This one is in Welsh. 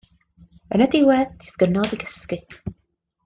Yn y diwedd disgynnodd i gysgu.